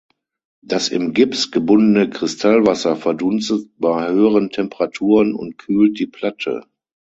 Das im Gips gebundene Kristallwasser verdunstet bei höheren Temperaturen und kühlt die Platte.